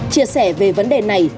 chia sẻ về vấn đề này